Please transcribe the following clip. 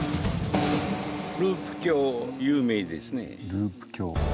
ループ橋。